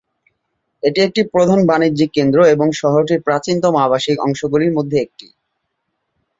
এটি একটি প্রধান বাণিজ্যিক কেন্দ্র এবং শহরটির প্রাচীনতম আবাসিক অংশগুলির মধ্যে একটি।